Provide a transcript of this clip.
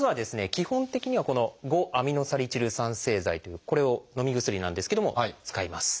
基本的にはこの５−アミノサリチル酸製剤というこれをのみ薬なんですけども使います。